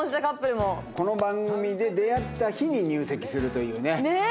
この番組で出会った日に入籍するというね。